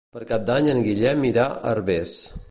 Per Cap d'Any en Guillem irà a Herbers.